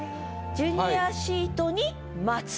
「ジュニアシートに待つ」。